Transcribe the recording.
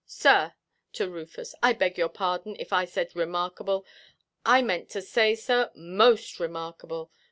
Sir,"—to Rufus—"I beg your pardon, if I said 'remarkable;' I meant to say, sir, 'most remarkable!